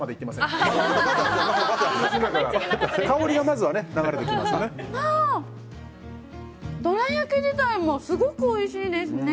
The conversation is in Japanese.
どら焼き自体もすごくおいしいですね。